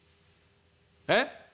「えっ？」。